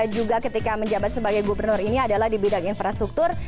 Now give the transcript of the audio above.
juga ketika menjabat sebagai gubernur ini adalah di bidang infrastruktur